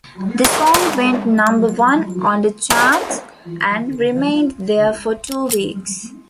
The song went number one on the charts and remained there for two weeks.